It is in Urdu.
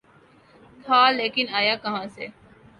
تھا‘ لیکن آیا کہاں سے؟